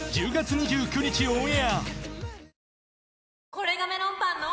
これがメロンパンの！